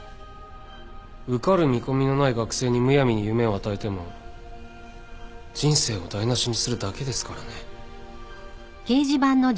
受かる見込みのない学生にむやみに夢を与えても人生を台無しにするだけですからね。